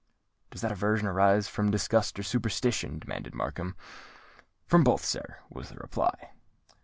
"Does that aversion arise from disgust or superstition?" demanded Markham. "From both, sir," was the reply.